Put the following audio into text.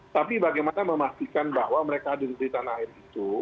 tapi bagaimana memastikan bahwa mereka hadir di tanah air itu